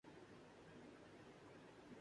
زلت کی زندگی سے موت بہتر ہے۔